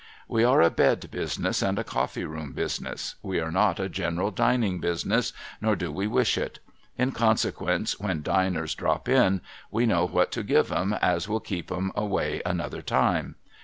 We are a bed business, and a coffee room business. We are not a general dining business, nor do we wish it. In consequence, when diners drop in, we know what to give 'em as will keep 'em away another time.